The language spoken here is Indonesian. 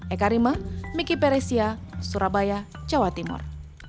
eka rima miki peresia surabaya jawa timur